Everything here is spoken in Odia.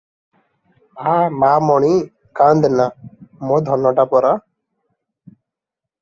"ଆ, ମା ମଣି- କାନ୍ଦେନା- ମୋ ଧନଟିପରା ।